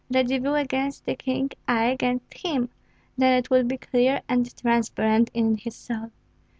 Radzivill against the king, I against him!" Then it would be clear and transparent in his soul.